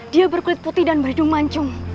dia berkulit putih dan berhidung mancung